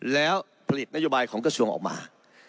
แล้วผลิตนโยบายของกระทรวงออกมา